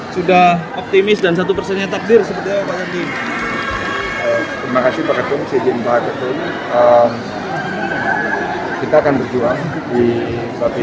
sudah optimis dan satu persennya takdir sebetulnya pak yadi